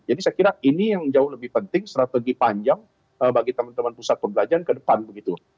jadi saya kira ini yang jauh lebih penting strategi panjang bagi teman teman pusat perbelanjaan ke depan begitu